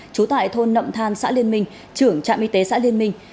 trú tại thôn nậm than xã liên minh trưởng trạm y tế xã liên minh